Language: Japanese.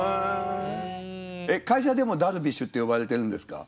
会社でもダルビッシュって呼ばれてるんですか？